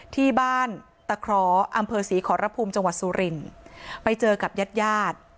ที่บ้านตะเคราะห์อำเภอศรีขอรภูมิจังหวัดสุรินไปเจอกับญาติญาติ